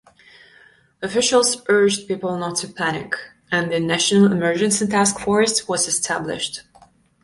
Officials urged people not to panic, and a national emergency task force was established.